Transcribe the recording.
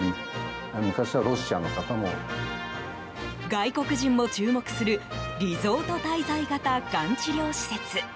外国人も注目するリゾート滞在型がん治療施設。